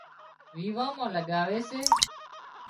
ويوان مان لڳاوي سي